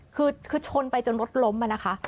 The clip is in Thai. คือชนไปจนรถล้มอะนะคะ